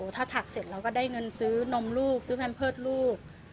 ถ้าถักเสร็จเราก็ได้เงินซื้อนมลูกซื้อแพมเพิร์ตลูก